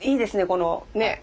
このねっ。